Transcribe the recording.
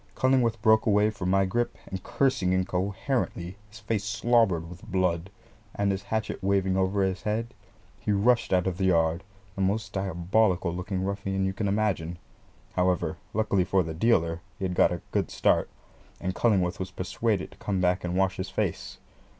Cullingworth broke away from my grip, and cursing incoherently, his face slobbered with blood, and his hatchet waving over his head, he rushed out of the yard the most diabolical looking ruffian you can imagine. However, luckily for the dealer, he had got a good start, and Cullingworth was persuaded to come back and wash his face.